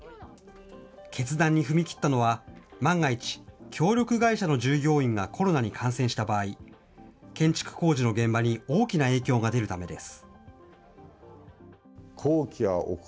決断に踏み切ったのは、万が一、協力会社の従業員がコロナに感染した場合、建築工事の現場に大きな影響が出るためです。